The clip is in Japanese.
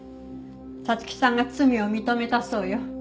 彩月さんが罪を認めたそうよ。